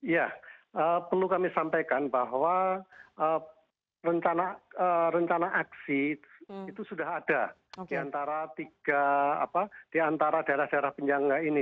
ya perlu kami sampaikan bahwa rencana aksi itu sudah ada di antara daerah daerah penyangga ini